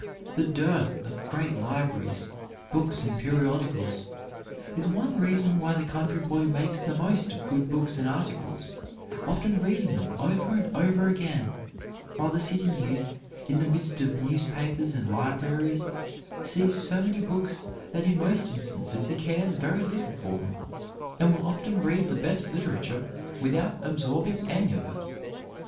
The dearth of great libraries, books and periodicals is one reason why the country boy makes the most of good books and articles, often reading them over and over again, while the city youth, in the midst of newspapers and libraries, sees so many books that in most instances he cares very little for them, and will often read the best literature without absorbing any of it.